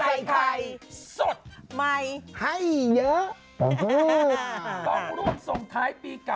อ้าวตายผีบ้านผีเรือนเป็นแบบนี้ดีกว่า